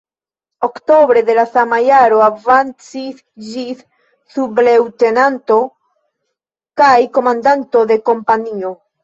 Oktobre de la sama jaro avancis ĝis subleŭtenanto kaj komandanto de kompanio.